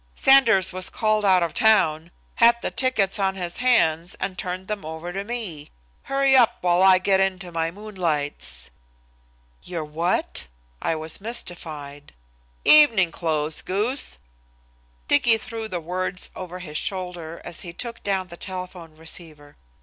Sanders was called out of town, had the tickets on his hands, and turned them over to me. Hurry up while I get into my moonlights." "Your what?" I was mystified. "Evening clothes, goose." Dicky threw the words over his shoulder as he took down the telephone receiver.